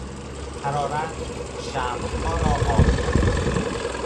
حرارت شمعها را آب کرد.